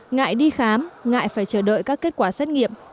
ngại đi khám ngại phải chờ đợi các kết quả xét nghiệm